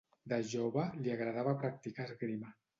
De jove, li agradava practicar esgrima.